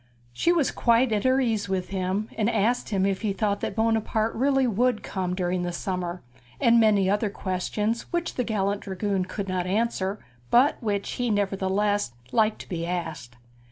She was quite at her ease with him, and asked him if he thought that Buonaparte would really come during the summer, and many other questions which the gallant dragoon could not answer, but which he nevertheless liked to be asked.